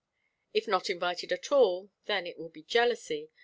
If not invited at all, then it will be jealousy.